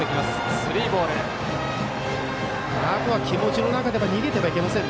あとは気持ちの中で逃げてはいけません。